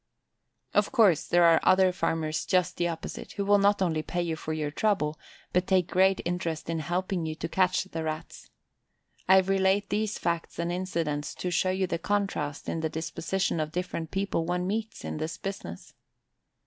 Of course, there are other farmers just the opposite, who will not only pay you for your trouble, but take great interest in helping you to catch the Rats. I relate these facts and incidents to show you the contrast in the disposition of different people one meets in this business.